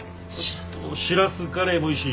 しらすカレーもいいし。